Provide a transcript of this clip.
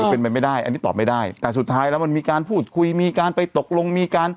อันนี้โปรดไม่ได้สุดท้ายมันมีการพูดคุยมีการไปตกลง